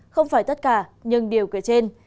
không phải tất cả nhưng điều kia trên